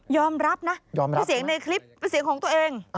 ยอมรับนะเป็นเสียงในคลิปเป็นเสียงของตัวเอง